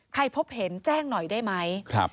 พบเห็นแจ้งหน่อยได้ไหม